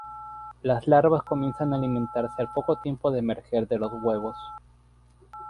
Las larvas comienzan a alimentarse al poco tiempo de emerger de los huevos.